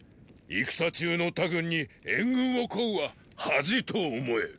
戦中の他軍に援軍を請うは恥と思え。